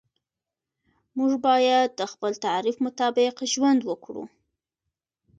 موږ باید د خپل تعریف مطابق ژوند وکړو.